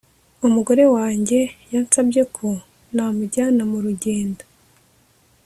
umugore wanjye yansabye ko namujyana mu rugendo